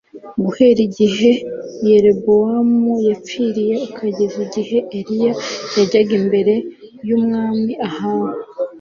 Guhera igihe Yerobowamu yapfiriye ukageza igihe Eliya yajyaga imbere yumwami Ahabu